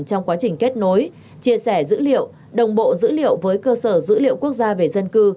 trong quá trình kết nối chia sẻ dữ liệu đồng bộ dữ liệu với cơ sở dữ liệu quốc gia về dân cư